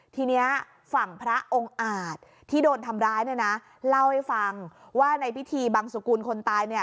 ทีนี้ฝั่งพระองค์อาจที่โดนทำร้ายเนี่ยนะเล่าให้ฟังว่าในพิธีบังสุกุลคนตายเนี่ย